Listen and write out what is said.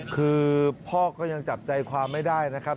คือพ่อก็ยังจับใจความไม่ได้นะครับ